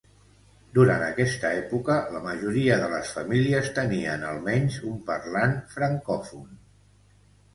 Durant aquesta època la majoria de les famílies tenien almenys un parlant francòfon.